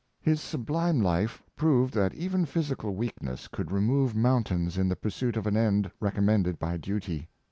His sublime life proved that even physical weakness could remove mountains in the pursuit of an end rec ommended by duty.